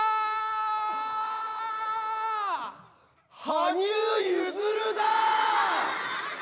羽生結弦だ！